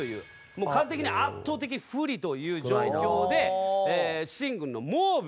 もう数的に圧倒的不利という状況で秦軍の蒙武。